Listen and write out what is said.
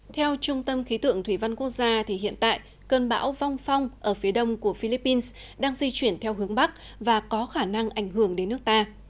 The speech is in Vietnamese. theo trung tâm khí tượng thủy văn quốc gia hiện tại cơn bão vong phong ở phía đông của philippines đang di chuyển theo hướng bắc và có khả năng ảnh hưởng đến nước ta